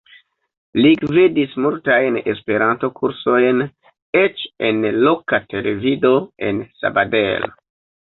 Li gvidis multajn Esperanto-kursojn, eĉ en loka televido en Sabadell.